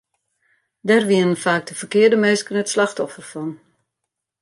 Dêr wienen faak de ferkearde minsken it slachtoffer fan.